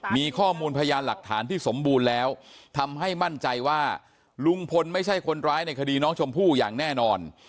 มีข้อมูลพยานหลักฐานที่สมบูรณ์แล้วทำให้มั่นใจว่าลุงพลไม่ใช่คนร้ายในคดีน้องชมพู่อย่างแน่นอน